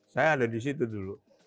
saya ada di situ dulu